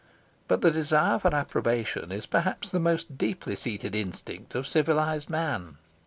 But the desire for approbation is perhaps the most deeply seated instinct of civilised man.